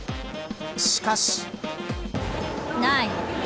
しかし。